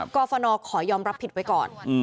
กรฟนขอยอมรับผิดไว้ก่อน